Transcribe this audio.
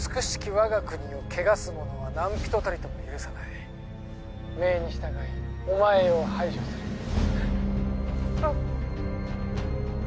我が国を汚す者は何人たりとも許さない命に従いお前を排除するえっあっ！